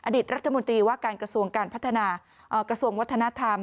ดิตรัฐมนตรีว่าการกระทรวงการพัฒนากระทรวงวัฒนธรรม